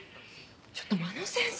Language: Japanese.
ちょっと真野先生！